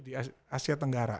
di asia tenggara